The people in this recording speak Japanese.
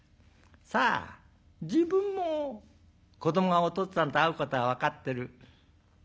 さあ自分も子どもがおとっつぁんと会うことは分かってる。